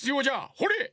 ほれ！